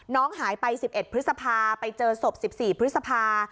น้องหายไปสิบเอ็ดพฤษภาไปเจอศพสิบสี่พฤษภา